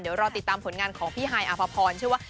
เดี๋ยวรอติดตามผลงานของพี่ฮายอภพรเชื่อว่า